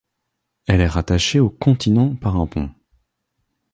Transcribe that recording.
Elle est rattachée au continent par un pont.